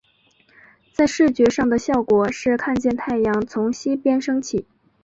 在视觉上的效果是看见太阳从西边升起。